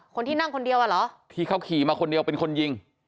คนที่นั่งคนเดียวอ่ะเหรอที่เขาขี่มาคนเดียวเป็นคนยิง